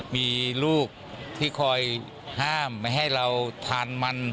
มีลูกที่คอยห้ามไม่ให้เราทานมัน